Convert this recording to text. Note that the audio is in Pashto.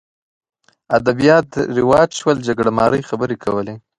ادبیات رواج شول جګړه مارۍ خبرې کولې